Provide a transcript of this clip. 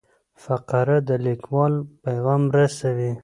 فقره د لیکوال پیغام رسوي.